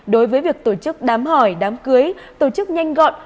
đối với việc tổ chức đám hỏi đám cưới tổ chức nhanh gọn